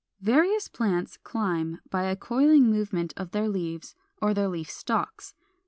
470. Various plants climb by a coiling movement of their leaves or their leaf stalks.